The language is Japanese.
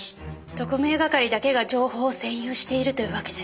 特命係だけが情報を専有しているというわけですか。